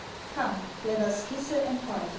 COME, LET US KISSE AND PARTE.